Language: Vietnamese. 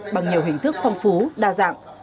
bằng nhiều hình thức phong phú đa dạng